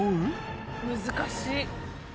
難しい！